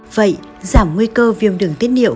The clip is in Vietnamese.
vậy giảm nguy cơ viêm đường tiết niệu